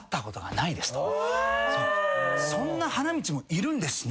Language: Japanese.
「そんな花道もいるんですね？」